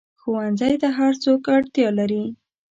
ښوونځی ته هر څوک اړتیا لري